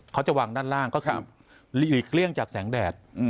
เขาจะวางด้านล่างก็คือหลีกเลี่ยงจากแสงแดด